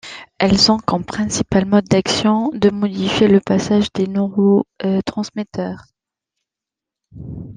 Elles ont comme principal mode d'action de modifier le passage des neurotransmetteurs.